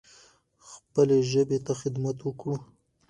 خپلې ژبې ته خدمت وکړو.